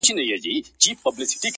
لېونی نه یمه هوښیار یمه رقیب پیژنم.!